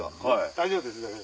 大丈夫です。